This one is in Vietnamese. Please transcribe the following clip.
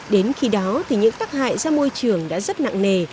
đến khi đó thì những tác hại ra môi trường đã rất nặng nề